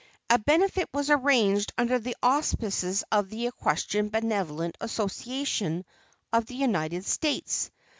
A benefit was arranged under the auspices of the Equestrian Benevolent Association of the United States.